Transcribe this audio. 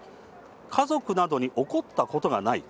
家族などに怒ったことがない。